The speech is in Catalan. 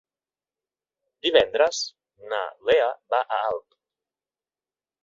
Divendres na Lea va a Alp.